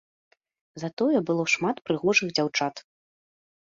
Затое было шмат прыгожых дзяўчат.